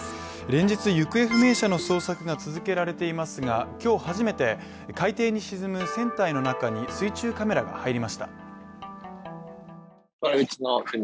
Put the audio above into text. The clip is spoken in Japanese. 連日行方不明者の捜索が続けられていますが、今日初めて海底に沈む船体の中に水中カメラが入りました。